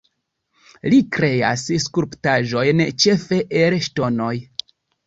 Li kreas skulptaĵojn ĉefe el ŝtonoj.